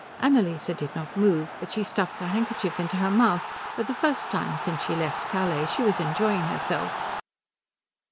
Annalise did not move, but she stuffed her handkerchief into her mouth; for the first time since she left Calais she was enjoying herself.